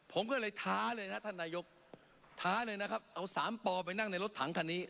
ผมก็เลยท้าเลยนะท่านนายกท้าเลยนะครับเอาสามปอไปนั่งในรถถังคันนี้